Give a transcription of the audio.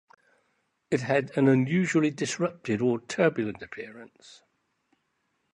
It had an unusually disrupted or 'turbulent' appearance.